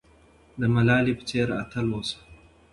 د ملالۍ په څېر اتل اوسه.